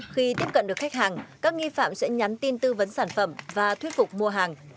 khi tiếp cận được khách hàng các nghi phạm sẽ nhắn tin tư vấn sản phẩm và thuyết phục mua hàng